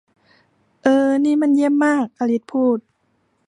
'เอ่อนี่มันเยี่ยมมาก ! ' อลิซพูด